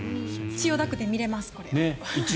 千代田区で見れますこれ。